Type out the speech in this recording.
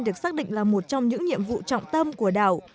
được xác định là một trong những nhiệm vụ trọng tâm của đảo